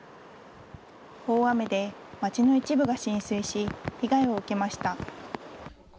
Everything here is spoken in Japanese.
大雨で町の一部が浸水し、被害を受けました。